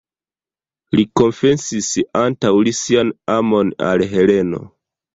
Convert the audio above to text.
Li konfesis antaŭ li sian amon al Heleno.